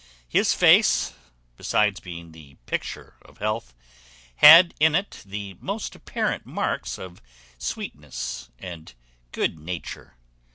His face, besides being the picture of health, had in it the most apparent marks of sweetness and good nature.